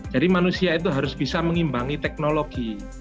jadi manusia itu harus bisa mengimbangi teknologi